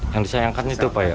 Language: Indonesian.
yang disayangkan itu apa ya